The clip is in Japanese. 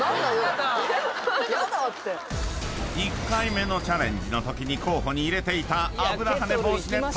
［１回目のチャレンジのときに候補に入れていた油はね